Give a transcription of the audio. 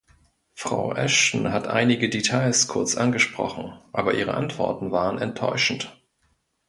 Frau Ashton hat einige Details kurz angesprochen, aber ihre Antworten waren enttäuschend.